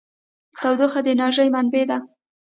تودوخه د انرژۍ منبع ده.